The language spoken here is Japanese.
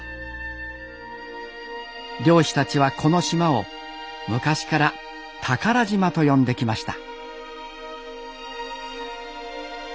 漁師たちはこの島を昔から「宝島」と呼んできました。